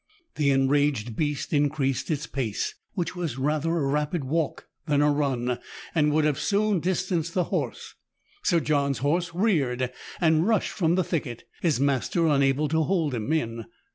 The enraged beast increased its pace, which was rather a rapid walk than a run, and would have soon distanced the horse. Sir John's horse reared, and rushed from the thicket, his master unable to hold him in.